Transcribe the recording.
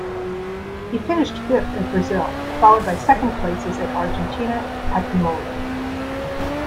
He finished fifth at Brazil, followed by second places at Argentina at Imola.